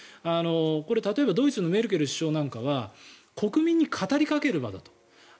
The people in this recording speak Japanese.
これは例えばドイツのメルケル首相なんかは国民に語りかける場だと。